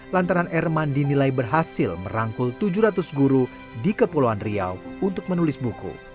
lantaran erman dinilai berhasil merangkul tujuh ratus guru di kepulauan riau untuk menulis buku